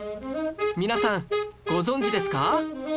皆さんご存じですか？